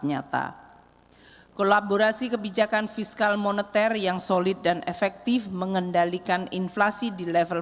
nyata kolaborasi kebijakan fiskal moneter yang solid dan efektif mengendalikan inflasi di level